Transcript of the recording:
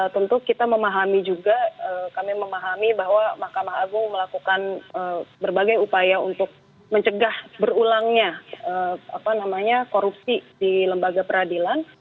tentu kita memahami juga kami memahami bahwa mahkamah agung melakukan berbagai upaya untuk mencegah berulangnya korupsi di lembaga peradilan